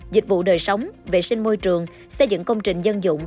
dịch vụ đời sống vệ sinh môi trường xây dựng công trình dân dụng